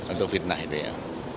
untuk fitnah itu ya